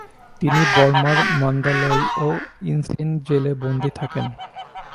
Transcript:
তিনি বর্মার মান্দালয় ও ইনসিন জেলে বন্দী থাকেন।